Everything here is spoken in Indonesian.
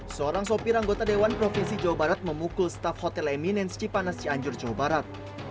seorang sopir anggota dewan provinsi jawa barat memukul staf hotel eminens cipanas cianjur jawa barat